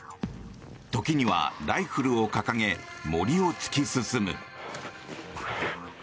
時にはライフルを掲げ森を突き進む。